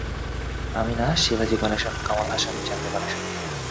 আমি না, শিবাজি গণেশন, কমলা হাসান, জেমনি গণেশান।